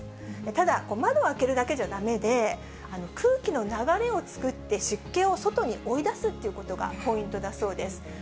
ただ、窓を開けるだけじゃだめで、空気の流れを作って、湿気を外に追い出すということがポイントだそうです。